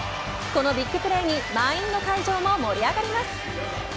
このビッグプレーに満員の会場も盛り上がります。